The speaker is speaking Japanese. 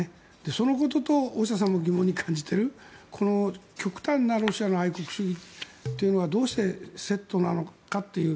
そのことと大下さんも疑問に感じている極端なロシアの愛国主義がどうしてセットなのかという。